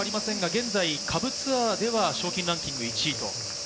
現在下部ツアーでは賞金ランキング１位。